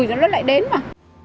nó hết mùi rồi nó lại đến mà